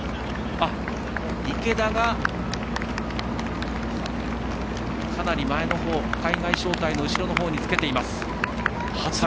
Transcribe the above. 池田がかなり前のほう海外招待の後ろのほうにつけています。